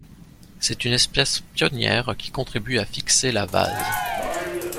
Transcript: C'est une espèce pionnière qui contribue à fixer la vase.